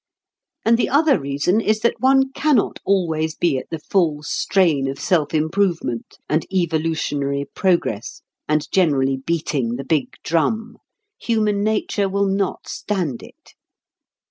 And the other reason is that one cannot always be at the full strain of "self improvement," and "evolutionary progress," and generally beating the big drum. Human nature will not stand it.